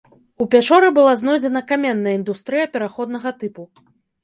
У пячоры была знойдзена каменная індустрыя пераходнага тыпу.